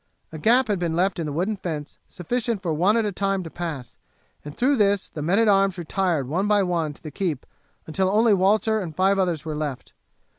A gap had been left in the wooden fence sufficient for one at a time to pass, and through this the men at arms retired one by one to the keep until only Walter and five others were left.